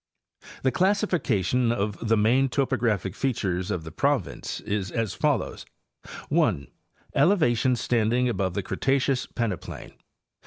The classification of the main topographic features of the province is as follows: 1. Elevations standing above the Cretaceous peneplain.